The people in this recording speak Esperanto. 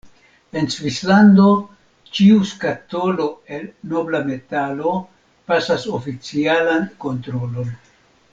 En Svislando, ĉiu skatolo el nobla metalo pasas oficialan kontrolon.